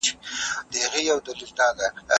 زه له سهاره پوښتنه کوم؟